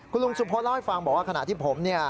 คุณลุงสุพธิ์เล่าให้ฟังบอกว่าขณะที่ผม